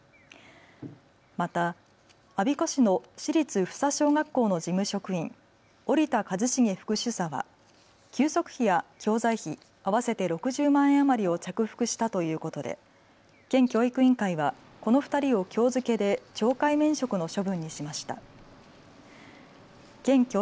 また、我孫子市の市立布佐小学校の事務職員、織田和茂副主査は給食費や教材費合わせて６０万円余りを着服したということで県教育委員会はこの２人をきょう付けで懲戒免職の処分にしました。